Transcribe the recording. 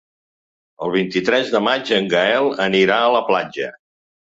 El vint-i-tres de maig en Gaël anirà a la platja.